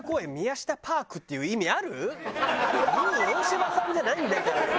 ルー大柴さんじゃないんだからさ